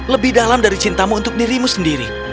lebih dalam dari cintamu untuk dirimu sendiri